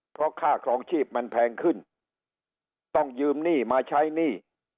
เพราะค่าครองชีพมันแพงขึ้นต้องยืมหนี้มาใช้หนี้